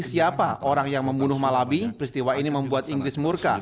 siapa orang yang membunuh malabi peristiwa ini membuat inggris murka